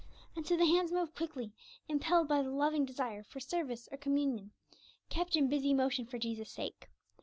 And so the hands move quickly, impelled by the loving desire for service or communion, kept in busy motion for Jesus' sake.